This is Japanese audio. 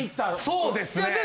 そうですね。